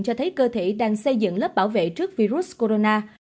cho thấy cơ thể đang xây dựng lớp bảo vệ trước virus corona